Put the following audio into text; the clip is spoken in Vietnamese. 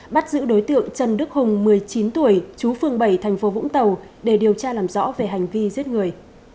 bắt giữ đối tượng trần đức hùng một mươi chín tuổi chú phường bảy thành phố vũng tàu để điều tra làm rõ về hành vi giết người